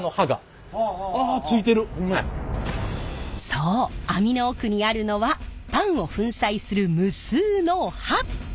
そう網の奥にあるのはパンを粉砕する無数の刃！